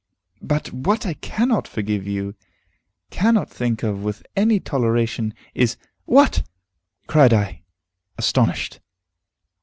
"But what I cannot forgive you, cannot think of with any toleration, is " "What?" cried I, astonished.